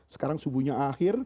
sekarang subuhnya akhir